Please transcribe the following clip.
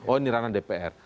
oh ini ranah dpr